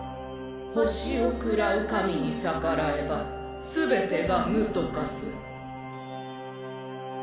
星を食らう神に逆らえば全てが無と化す。